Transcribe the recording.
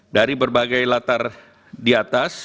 dari berbagai latar di atas